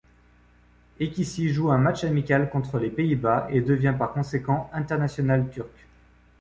Ekici joue un match amical contre les Pays-Bas et devient par conséquent international turc.